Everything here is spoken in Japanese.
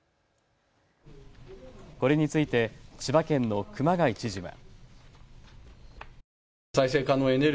これについて千葉県の熊谷知事は。